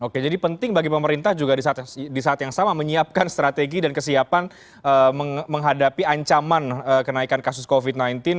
oke jadi penting bagi pemerintah juga di saat yang sama menyiapkan strategi dan kesiapan menghadapi ancaman kenaikan kasus covid sembilan belas